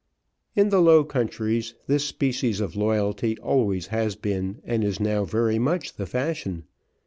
In the low countries, this species of loyalty always has been, and is now very much the fashion.